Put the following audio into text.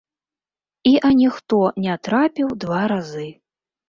І аніхто не трапіў два разы.